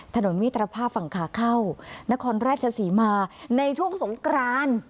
ถนนมิตรภาพฝั่งขาเข้านครราชศรีมาในช่วงสงกราน